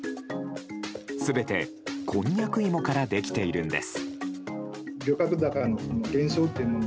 全て、こんにゃく芋からできているんです。